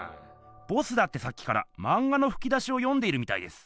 ボスだってさっきからまん画のふき出しを読んでいるみたいです。